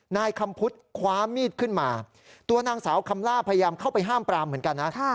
นายคำพุทธคว้ามีดขึ้นมาตัวนางสาวคำล่าพยายามเข้าไปห้ามปรามเหมือนกันนะ